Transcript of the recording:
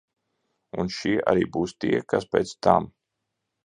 Un šie arī būs tie, kas pēc tam.